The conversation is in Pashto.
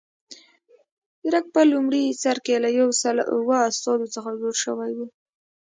درګ په لومړي سر کې له یو سل اوه استازو څخه جوړ شوی و.